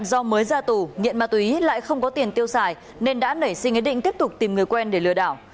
do mới ra tù nghiện ma túy lại không có tiền tiêu xài nên đã nảy sinh ý định tiếp tục tìm người quen để lừa đảo